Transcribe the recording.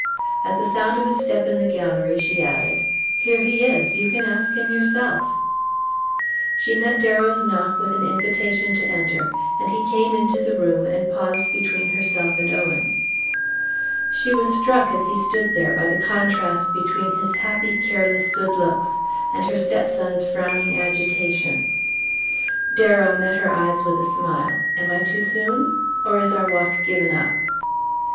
At the sound of a step in the gallery she added: "Here he is you can ask him yourself." She met Darrow's knock with an invitation to enter, and he came into the room and paused between herself and Owen. She was struck, as he stood there, by the contrast between his happy careless good looks and her step son's frowning agitation. Darrow met her eyes with a smile. "Am I too soon? Or is our walk given up?"